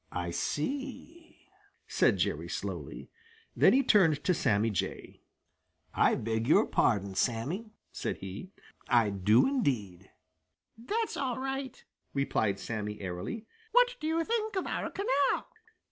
"I see," said Jerry slowly. Then he turned to Sammy Jay. "I beg your pardon, Sammy," said he. "I do, indeed." "That's all right," replied Sammy airily. "What do you think of our canal?"